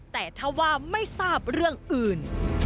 แต่ถ้าว่าไม่ทราบเรื่องอื่น